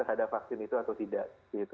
ada vaksin itu atau tidak